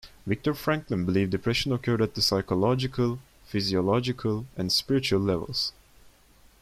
Viktor Frankl believed depression occurred at the psychological, physiological, and spiritual levels.